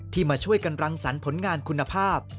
มาช่วยกันรังสรรค์ผลงานคุณภาพ